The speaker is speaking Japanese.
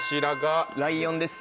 ライオンです！